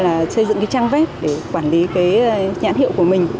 là xây dựng cái trang web để quản lý cái nhãn hiệu của mình